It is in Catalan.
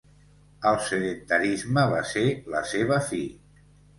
El sedentarisme va ser la seva fi.